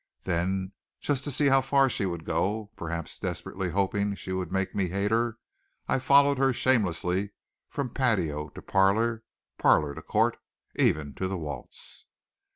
Then, just to see how far she would go, perhaps desperately hoping she would make me hate her, I followed her shamelessly from patio to parlor, porch to court, even to the waltz.